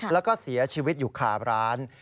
แล้วก็เสียชีวิตอยู่คาร้าน